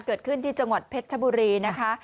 เกิดขึ้นที่จังหวัดเพชรชบุรีนะคะ